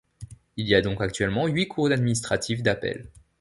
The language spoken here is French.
Il y a donc actuellement huit cours administratives d'appel.